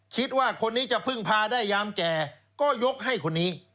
คิดว่าคนนี้จะพึ่งพาได้ยามแก่ก็ยกให้คนนี้